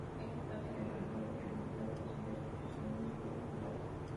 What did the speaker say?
Este espacio de maniobra permitió la creación de asociaciones, clubs y bares.